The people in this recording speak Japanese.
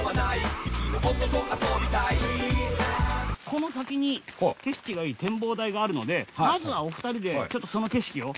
この先に景色がいい展望台があるのでまずはお二人でちょっとその景色を。